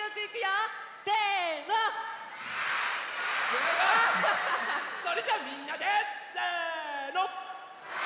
すごい！それじゃあみんなでせの！